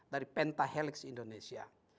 dari pentahelix indonesia